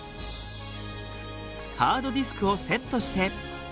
ハードディスクをセットして。